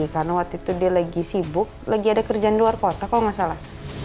karena waktu itu dia lagi sibuk lagi ada kerjaan di luar kota kalau gak salah